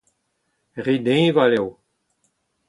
Re deñval eo.